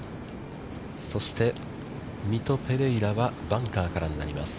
そして、ミト・ペレイラはバンカーからになります。